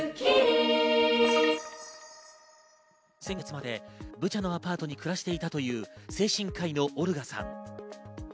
先月までブチャのアパートに暮らしていたという精神科医のオルガさん。